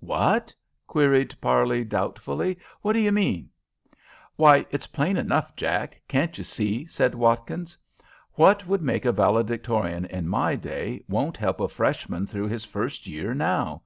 "What?" queried Parley, doubtfully. "What do you mean?" "Why, it's plain enough, Jack! Can't you see?" said Watkins. "What would make a valedictorian in my day won't help a Freshman through his first year now.